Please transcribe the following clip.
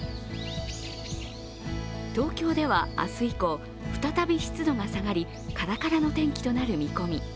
東京では明日以降、再び湿度が下がり、カラカラの天気となる見込み。